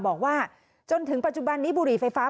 บอกว่าจนถึงปัจจุบันนี้บุหรี่ไฟฟ้า